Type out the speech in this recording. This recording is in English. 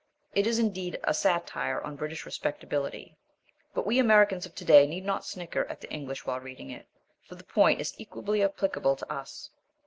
It is, indeed, a satire on British respectability, but we Americans of today need not snicker at the English while reading it, for the point is equally applicable to us.